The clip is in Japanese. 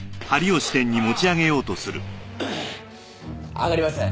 上がりません。